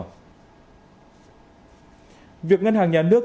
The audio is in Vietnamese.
ngân hàng nhà nước cho biết là để ổn định hoạt động của ngân hàng thương mại cổ phần sài gòn scb